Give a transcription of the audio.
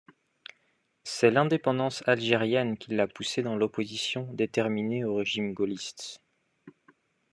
C’est l’indépendance algérienne qui l'a poussé dans l’opposition déterminée au régime gaulliste.